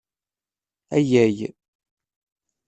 Ayyay